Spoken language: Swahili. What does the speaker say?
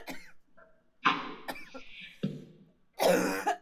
mtangazaji anaweza kubadilisha muunda kwa kila kipengele cha kipindi